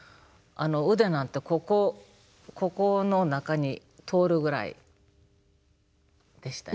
腕なんてここの中に通るぐらいでしたよ。